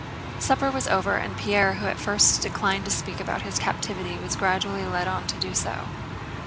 Supper was over, and Pierre who at first declined to speak about his captivity was gradually led on to do so.